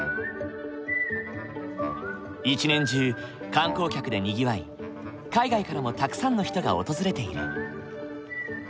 一年中観光客でにぎわい海外からもたくさんの人が訪れている。